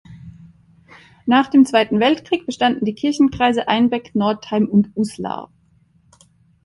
Nach dem Zweiten Weltkrieg bestanden die Kirchenkreise Einbeck, Northeim und Uslar.